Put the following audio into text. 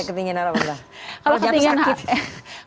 kenapa itu kalau misalnya ketinggian harapan